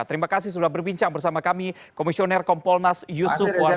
terima kasih sudah berbincang bersama kami komisioner kompolnas yusuf warsi